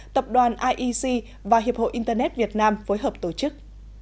tập đoàn iec và hiệp hội internet việt nam phối hợp tổ chức